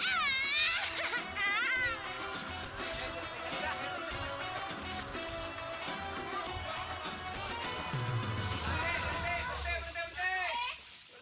sini ke arah dianggil